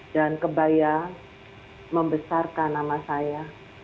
dan kebaya membesarkan nama saya